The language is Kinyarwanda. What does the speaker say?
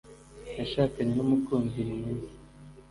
yashakanye numukunzi mwiza